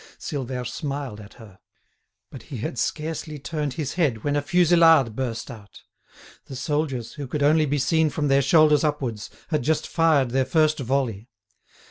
Silvère smiled at her. But he had scarcely turned his head when a fusillade burst out. The soldiers, who could only be seen from their shoulders upwards, had just fired their first volley.